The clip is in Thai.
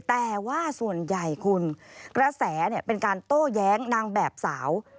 แต่ว่าส่วนใหญ่คุณกระแสเป็นการโต้แย้งนางแบบสาว